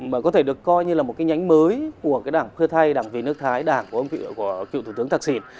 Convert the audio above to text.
mà có thể được coi như là một cái nhánh mới của cái đảng khơi thay đảng về nước thái đảng của cựu thủ tướng thạc xuyên